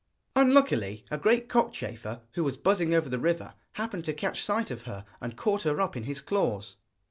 Unluckily, a great cockchafer, who was buzzing over the river, happened to catch sight of her, and caught her up in his claws.